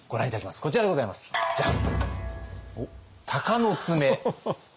こちらでございますジャン！